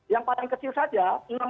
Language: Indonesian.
yang paling kecil saja